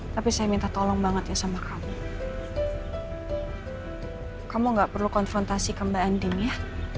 tapi saya gak tahu tentang apa kebencian itu